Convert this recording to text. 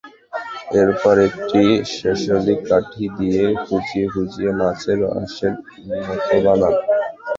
এরপর একটি শাসলিক কাঠি দিয়ে খুঁচিয়ে খুঁচিয়ে মাছের আঁশের মতো বানান।